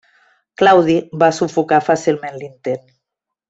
Claudi va sufocar fàcilment l'intent.